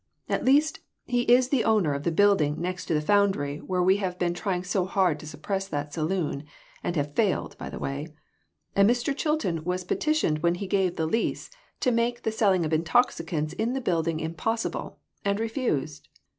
At least, he is the owner of the building next to the foundry where we have been trying so hard to suppress that saloon and have failed, by the way and Mr. Chilton was peti tioned when he gave the lease, to make the sell ing of intoxicants in the building impossible, and refused."